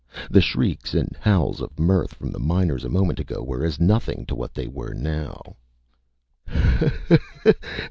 The shrieks and howls of mirth from the miners, a moment ago, were as nothing to what they were now.